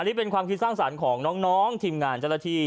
นี่เป็นความคิดสร้างสรรค์ของน้องทีมงานเจ้าหน้าที่